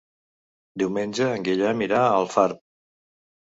Diumenge en Guillem irà a Alfarb.